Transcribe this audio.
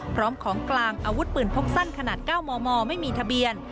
พร้อมของกลางอาวุธปืนพกสั้นขนาด๙มมไม่มีทะเบียน